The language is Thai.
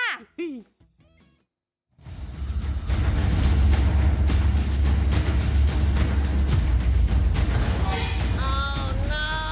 อ่อวน้าว